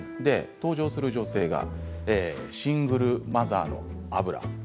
登場する女性はシングルマザーのアブラ。